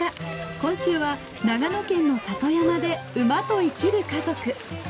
今週は長野県の里山で馬と生きる家族。